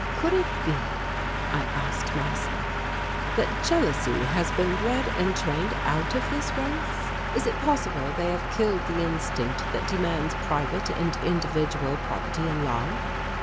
"Could it be," I asked myself, "that jealousy has been bred and trained out of this race? Is it possible they have killed the instinct that demands private and individual property in love?"